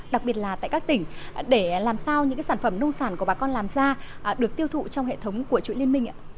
đặc biệt là tại các tỉnh để làm sao những sản phẩm nông sản của bà con làm ra được tiêu thụ trong hệ thống của chuỗi liên minh ạ